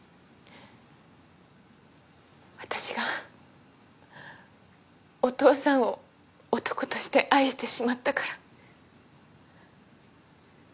私がお父さんを男として愛してしまったから。